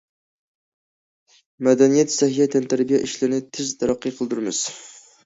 مەدەنىيەت، سەھىيە، تەنتەربىيە ئىشلىرىنى تېز تەرەققىي قىلدۇرىمىز.